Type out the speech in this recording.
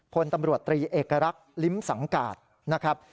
พลตำรวจตรีเอกลักษณ์ลิ้มสังกาศนะครับ